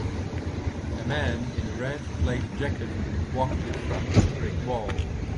A man in a red, plaid jacket, walking in front of a brick wall.